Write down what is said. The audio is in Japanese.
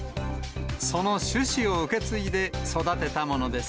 その種子を受け継いで育てたものです。